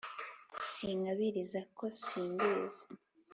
sinkabiriza ko simbizi